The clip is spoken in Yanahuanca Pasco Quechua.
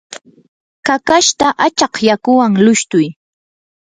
kakashta achaq yakuwan lushtuy.